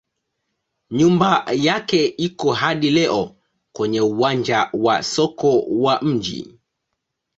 Nyumba yake iko hadi leo kwenye uwanja wa soko wa mji.